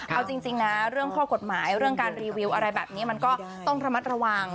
เอาจริงนะเรื่องข้อกฎหมายเรื่องการรีวิวอะไรแบบนี้มันก็ต้องระมัดระวัง